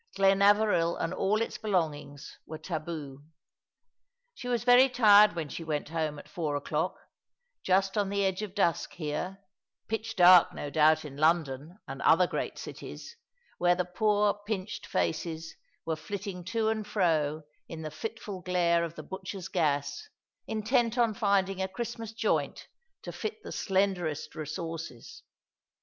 Glenaveril and all its belongings were taboo. She was very tired when she went home at four o'clock, just on the edge of dusk here — pitch dark, no doubt, in London and other great cities, where the poor, pinched faces were flitting to and fro in the fiftful glare of the butcher's gas, intent on finding a Christmas joint to fit the slenderest resources.